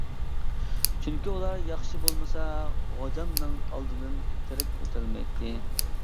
چۈنكى ئۇلار ياخشى بولمىسا غوجامنىڭ ئالدىدىن تىرىك ئۆتەلمەيتتى.